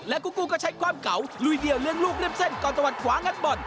กูกู้ก็ใช้ความเก่าลุยเดียวเลี้ยงลูกริมเส้นก่อนตะวัดขวางัดบอล